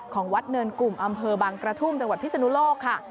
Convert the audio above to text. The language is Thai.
ของวัดเนินกลุ่มอำเภอบางกระทุ่มจังหวัดพิศนุโลกค่ะ